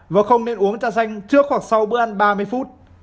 và không nên uống trà xanh trước hoặc sau bữa ăn ba mươi phút